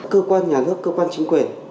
cơ quan nhà nước cơ quan chính quyền